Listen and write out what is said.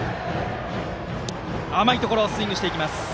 甘いところをスイングしていきました。